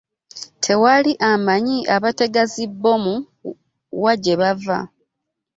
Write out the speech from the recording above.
tewali amanyi abatega zi bomu wa gye bava.